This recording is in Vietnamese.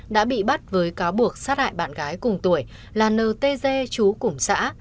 đã bị bắt với cáo buộc sát hại bạn gái cùng tuổi là n t g chú củng xã